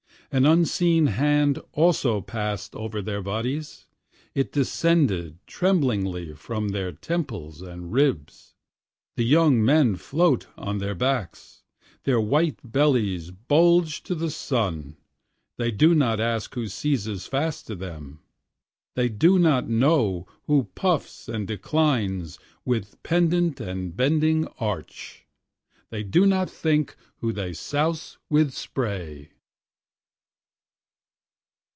An unseen hand also passâd over their bodies, It descended tremblingly from their temples and ribs. The young men float on their backs, their white bellies bulge to the sun, they do not ask who seizes fast to them, They do not know who puffs and declines with pendant and bending arch, They do not think whom they souse with spray.